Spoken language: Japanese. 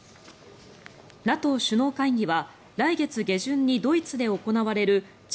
ＮＡＴＯ首脳会議は来月下旬にドイツで行われるＧ７・